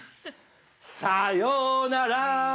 さようなら。